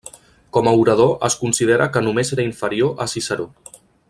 Com a orador es considera que només era inferior a Ciceró.